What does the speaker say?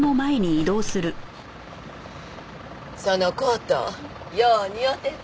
そのコートよう似合うてんな。